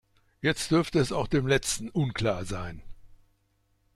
Jetzt dürfte es auch dem Letzten unklar sein.